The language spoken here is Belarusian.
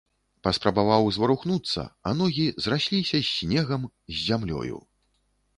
Паспрабаваў зварухнуцца, а ногі зрасліся з снегам, з зямлёю.